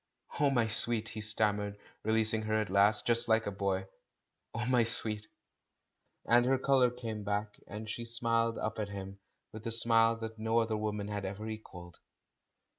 "Oh, my sweet!" he stammered, releasing her at last. Just like a boy again — "Oh, my sweet!" And her colour had come back, and she smiled up at him, with the smile that no other woman had ever equalled.